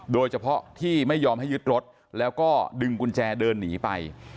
โดยเฉพาะที่ไม่ยอมให้ยึดรถแล้วก็ดึงกุญแจเดินหนีไป